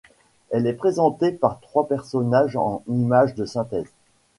Elle est présentée par trois personnages en images de synthèse.